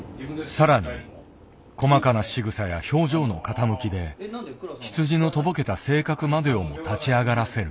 さらに細かなしぐさや表情の傾きで羊のとぼけた性格までをも立ち上がらせる。